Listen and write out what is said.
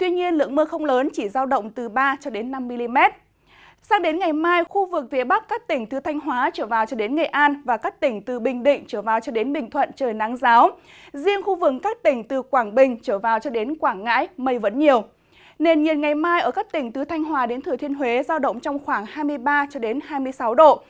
nền ngày mai ở các tỉnh từ thanh hòa đến thừa thiên huế giao động trong khoảng hai mươi ba hai mươi sáu độ